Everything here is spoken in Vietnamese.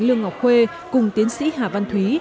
lương ngọc khuê cùng tiến sĩ hà văn thúy